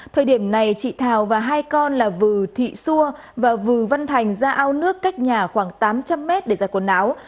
thời điểm này chị thào và hai con là vư thị xua và vư văn thành ra ao nước cách nhà khoảng tám trăm linh m để ra quần áo